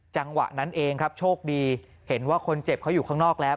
จังหวะนั้นเองครับโชคดีเห็นว่าคนเจ็บเขาอยู่ข้างนอกแล้ว